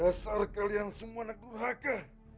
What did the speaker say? dasar kalian semua negeri haka